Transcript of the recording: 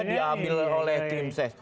diambil oleh tim ses